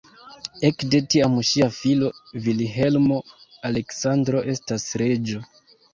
Ekde tiam ŝia filo Vilhelmo-Aleksandro estas reĝo.